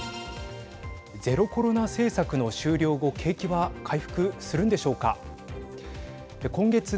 ゼロコロナ政策の終了後景気は回復するんでしょうか。